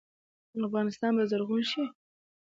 افغانستان به زرغون شي؟